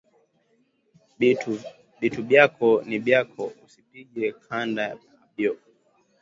Bitu byako ni byako usipige kanda ya abyo